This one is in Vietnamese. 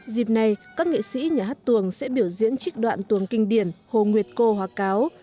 dịp này các nghệ sĩ nhà hát tuồng sẽ biểu diễn trích đoạn tuồng kinh điển hồ nguyệt cô hóa cáo